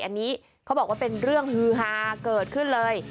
อันนี้เขาบอกว่าเป็นเรื่องฮือฮาเกิดขึ้นเลย